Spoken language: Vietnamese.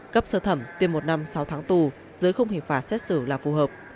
cấp sơ thẩm tuyên một năm sau tháng tù dưới không hình phạt xét xử là phù hợp